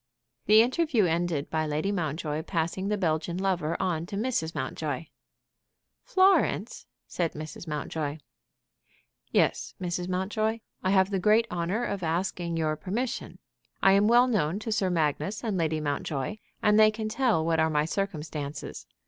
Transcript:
The interview ended by Lady Mountjoy passing the Belgian lover on to Mrs. Mountjoy. "Florence!" said Mrs. Mountjoy. "Yes, Mrs. Mountjoy; I have the great honor of asking your permission. I am well known to Sir Magnus and Lady Mountjoy, and they can tell what are my circumstances.